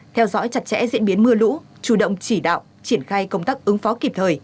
theo dõi chặt chẽ diễn biến mưa lũ chủ động chỉ đạo triển khai công tác ứng phó kịp thời